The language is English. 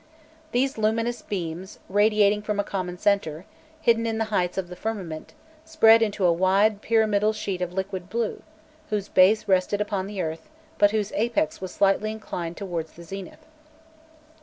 These luminous beams, radiating from a common centre, hidden in the heights of the firmament, spread into a wide pyramidal sheet of liquid blue, whose base rested upon the earth, but whose apex was slightly inclined towards the zenith.